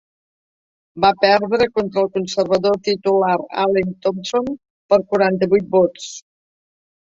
Va perdre contra el conservador titular Allen Thompson per quaranta-vuit vots.